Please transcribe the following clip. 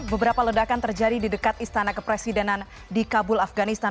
beberapa ledakan terjadi di dekat istana kepresidenan di kabul afganistan